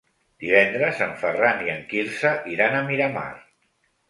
Divendres en Ferran i en Quirze iran a Miramar.